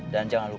dan jangan lupa